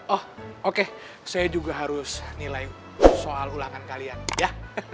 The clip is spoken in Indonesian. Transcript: oh oke saya juga harus nilai soal ulangan kalian ya